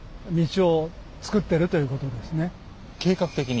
計画的に？